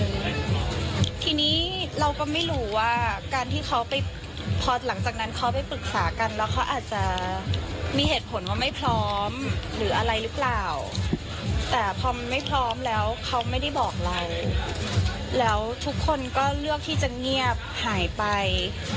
ทีนี้เราก็ไม่รู้ว่าการที่เขาไปพอหลังจากนั้นเขาไปปรึกษากันแล้วเขาอาจจะมีเหตุผลว่าไม่พร้อมหรืออะไรหรือเปล่าแต่พอมันไม่พร้อมแล้วเขาไม่ได้บอกเราแล้วทุกคนก็เลือกที่จะเงียบหายไป